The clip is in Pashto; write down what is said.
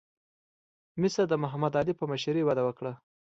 مصر د محمد علي په مشرۍ وده وکړه.